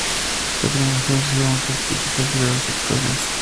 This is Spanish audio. Esta premiación recibió muchas críticas de diversos sectores.